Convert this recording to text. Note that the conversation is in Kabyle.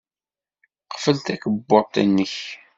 Qfel takebbuḍt-nnek.